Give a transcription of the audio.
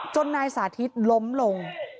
นายสาธิตล้มลง